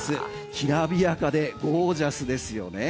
きらびやかでゴージャスですよね。